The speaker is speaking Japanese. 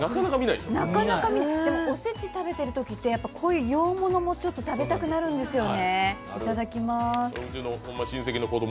でもおせち食べてるときって、こういう洋ものも食べたくなるんですよね。